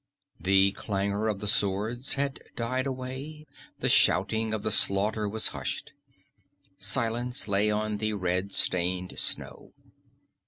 The clangor of the swords had died away, the shouting of the slaughter was hushed; silence lay on the red stained snow.